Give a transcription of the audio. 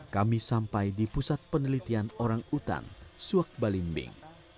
kami sampai di pusat penelitian orang utan suakbalimbing